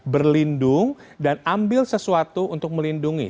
berlindung dan ambil sesuatu untuk melindungi